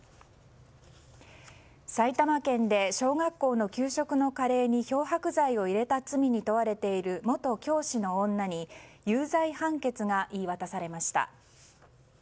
埼玉県で小学校の給食のカレーに漂白剤を入れた罪に問われている元教師の女に有罪判決が言い渡されました。